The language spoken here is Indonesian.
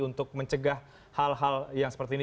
untuk mencegah hal hal yang seperti ini